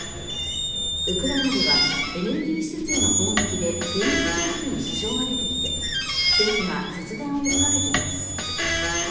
ウクライナではエネルギー施設への攻撃で電力供給に支障が出ていて政府が節電を呼びかけています。